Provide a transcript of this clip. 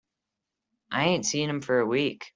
I ain't seen him for a week.